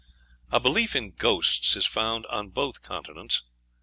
A belief in ghosts is found on both continents.